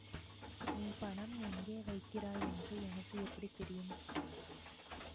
நீ பணம் எங்கே வைக்கிறாய் என்று எனக்கு எப்படி தெரியும்?